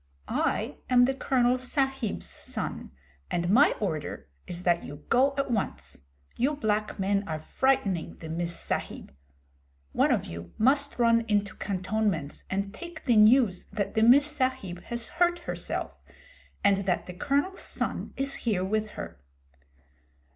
'I am the Colonel Sahib's son, and my order is that you go at once. You black men are frightening the Miss Sahib. One of you must run into cantonments and take the news that the Miss Sahib has hurt herself, and that the Colonel's son is here with her.'